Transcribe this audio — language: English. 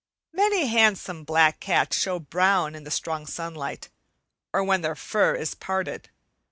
Many handsome black cats show brown in the strong sunlight, or when their fur is parted.